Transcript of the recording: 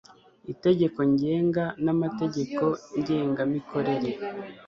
itegeko ngenga n amategeko ngengamikorere